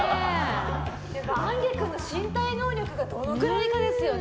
あんげ君の身体能力がどのぐらいかですよね。